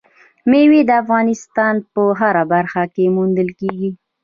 مېوې د افغانستان په هره برخه کې موندل کېږي.